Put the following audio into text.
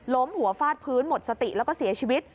หัวฟาดพื้นหมดสติแล้วก็เสียชีวิต